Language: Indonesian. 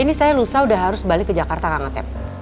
ini saya lusa sudah harus balik ke jakarta kang atep